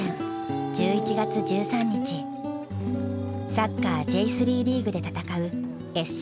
サッカーＪ３リーグで戦うＳＣ